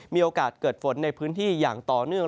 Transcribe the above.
มีโอกาสเกิดฝนในพื้นที่อย่างต่อเนื่อง